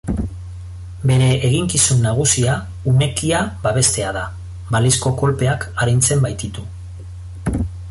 Bere eginkizun nagusia umekia babestea da, balizko kolpeak arintzen baititu.